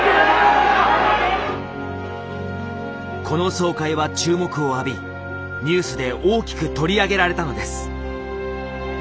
この総会は注目を浴びニュースで大きく取り上げられたのです。